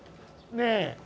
ねえ！